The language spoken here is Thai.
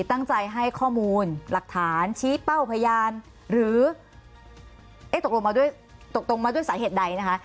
ตั้งใจให้ข้อมูลหลักฐานชี้เป้าพยานหรือตกลงมาด้วยสาเหตุใดนะคะ